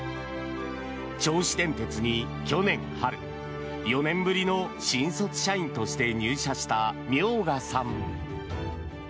銚子電鉄に去年春４年ぶりの新卒社員として入社した明賀さん。